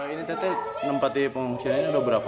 ini tetap menempati pengungsiannya sudah berapa